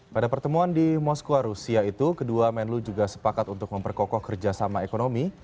pada pertemuan di moskwa rusia itu kedua menlu juga sepakat untuk memperkokoh kerjasama ekonomi